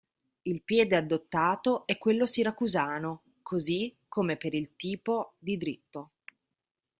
Il piede adottato è quello siracusano, così come per il tipo di dritto.